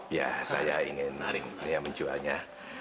ya saya ingin menjualnya